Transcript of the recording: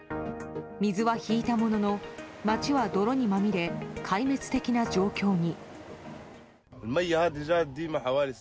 水は引いたものの街は泥にまみれ壊滅的な状況に。